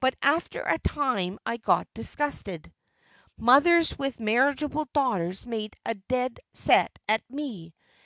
But after a time I got disgusted. Mothers with marriageable daughters made a dead set at me.